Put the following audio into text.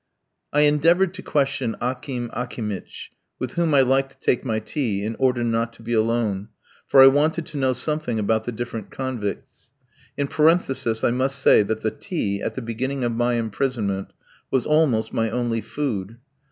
I endeavoured to question Akim Akimitch, with whom I liked to take my tea, in order not to be alone, for I wanted to know something about the different convicts. In parenthesis I must say that the tea, at the beginning of my imprisonment, was almost my only food.